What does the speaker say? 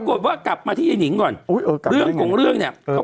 โอยกลับไปได้ไง